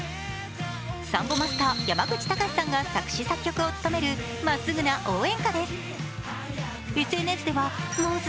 サンボマスター・山口隆さんが作詞作曲を務めるまっすぐな応援歌です。